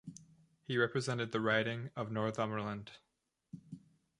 He represented the riding of Northumberland.